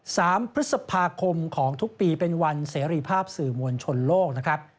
สามพฤษภาคมของทุกปีเป็นวันเสรีภาพสื่อมวลชนโลกนะครับ